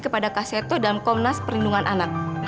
kepada kak seto dan komnas perlindungan anak